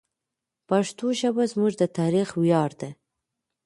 پښتو ژبه زموږ د تاریخ ویاړ دی.